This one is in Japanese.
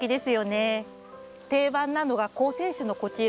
定番なのが高性種のこちら。